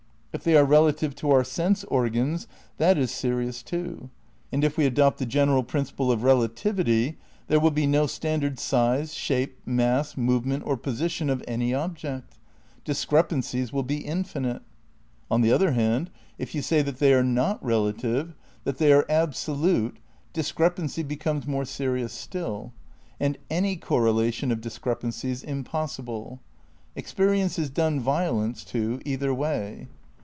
If they are relative to our sense organs that is serious too ; and if we adopt the '' Gen eral Principle of Relativity" there will be no standard size, shape, mass, movement or position of any object. Discrepancies wiU be infinite. On the other hand, if vn RECONSTEUCTION OF IDEALISM 253 you say that they are not relative, that they are abso lute, discrepancy becomes more serious still ; and any correlation of discrepancies impossible. Experience is done violence to either way.